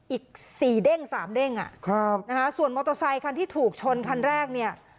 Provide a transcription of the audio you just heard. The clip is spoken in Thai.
อีกสี่เด้งสามเด้งอ่ะครับนะฮะส่วนมอเตอร์ไซคันที่ถูกชนคันแรกเนี่ย